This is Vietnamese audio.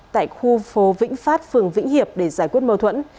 tại khu phố vĩnh phát phường vĩnh hiệp để giải quyết mâu thuẫn